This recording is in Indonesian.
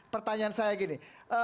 pertanyaan saya gini